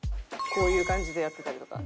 こういう感じでやってたりとか。